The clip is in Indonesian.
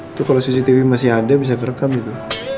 itu kalau cctv masih ada bisa kerekam itu